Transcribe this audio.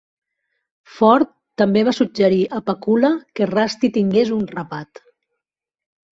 Ford també va suggerir a Pakula que Rusty tingués un rapat.